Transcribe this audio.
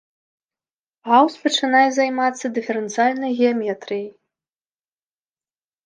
Гаус пачынае займацца дыферэнцыяльнай геаметрыяй.